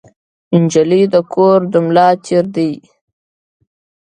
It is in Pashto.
نجلۍ د کورنۍ د ملا تیر دی.